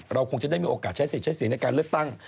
คงจะได้มีโอกาสใช้สิทธิ์ใช้เสียงในการเลือกตั้ง